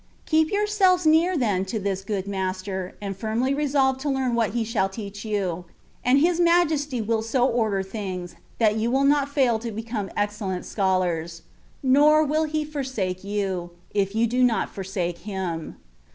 Keep yourselves near then to this good Master, and firmly resolve to learn what He shall teach you ; and His Majesty will so order things, that you will not fail to become excellent scholars : nor will He forsake you, if you do not forsake Him.